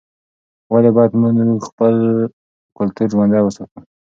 ولې باید موږ خپل کلتور ژوندی وساتو؟